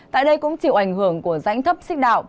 tại đây cũng chịu ảnh hưởng của dãy ngắp thấp xích đạo